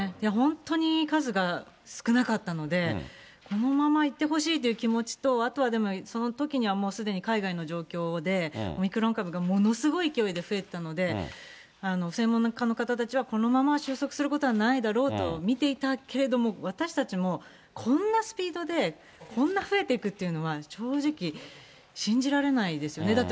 本当に数が少なかったので、このままいってほしいという気持ちと、あとはでもやはり、そのときにはもうすでに海外の状況で、オミクロン株がものすごい勢いで増えてたので、専門家の方たちは、このまま収束することはないだろうと見ていたけれども、私たちもこんなスピードで、こんな増えていくというのは、正直、信じられないですよね。